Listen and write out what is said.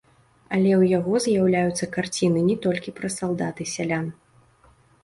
Але ў яго з'яўляюцца карціны не толькі пра салдат і сялян.